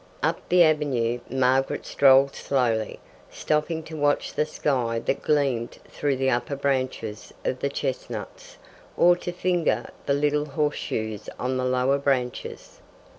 Up the avenue Margaret strolled slowly, stopping to watch the sky that gleamed through the upper branches of the chestnuts, or to finger the little horseshoes on the lower branches.